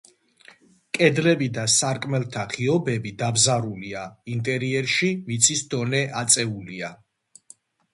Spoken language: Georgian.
კედლები და სარკმელთა ღიობები დაბზარულია, ინტერიერში მიწის დონე აწეულია.